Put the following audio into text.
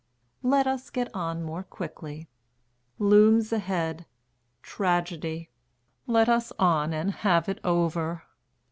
Let us get on more quickly. Looms ahead Tragedy. Let us on and have it over.